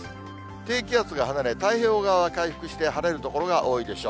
低気圧が離れ、太平洋側は回復して晴れる所が多いでしょう。